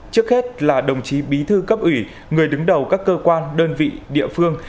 trước hết là đồng chí bí thư cấp ủy người đứng đầu các cơ quan đơn vị địa phương